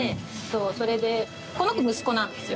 それでこの子息子なんですよ。